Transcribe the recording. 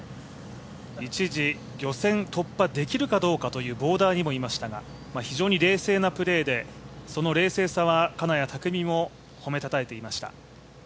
一時、予選突破できるかどうかというボーダーにもいましたが、非常に冷静なプレーで、その冷静さは金谷拓実も褒めたたえていました。